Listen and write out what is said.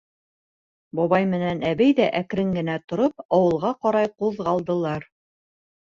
Бабай менән әбей ҙә әкрен генә тороп ауылға ҡарай ҡуҙғалдылар.